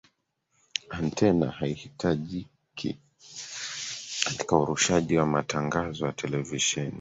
antena haihitajiki katika urushaji wa matangazo ya televisheni